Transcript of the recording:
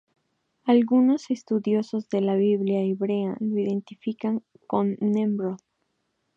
Algunos estudiosos de la "Biblia" hebrea lo identifican con Nemrod.